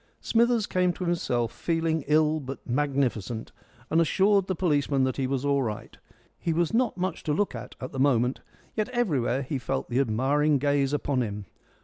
Smithers came to himself, feeling ill but magnificent, and assured the policeman that he was all right. He was not much to look at at the moment, yet everywhere he felt the admiring gaze upon him.